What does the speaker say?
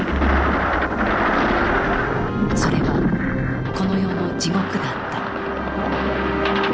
それはこの世の「地獄」だった。